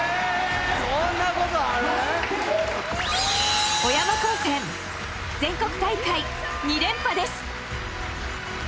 そんなことある⁉小山高専全国大会２連覇です！